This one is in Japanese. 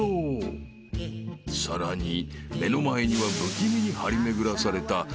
［さらに目の前には不気味に張り巡らされた］